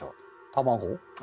卵？